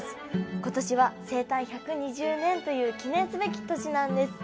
今年は生誕１２０年という記念すべき年なんです。